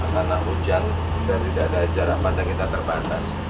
karena hujan dari tidak ada jarak pandang kita terbatas